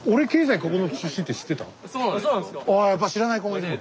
あやっぱ知らない子もいる。